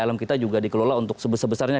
alam kita juga dikelola untuk sebesarnya